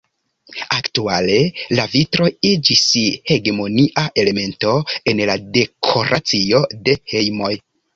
Aktuale, la vitro iĝis hegemonia elemento en la dekoracio de hejmoj.